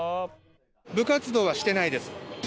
部活動はしてないです。